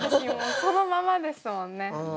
そのままですもんね。